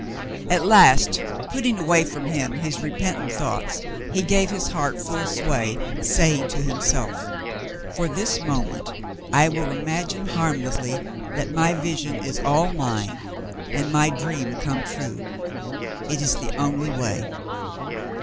At last, putting away from him his repentant thoughts, he gave his heart full sway, saying to himself : "For this mo ment I vnll imagine harmlessly that my vision is all mine and my dream come true. It is the only way."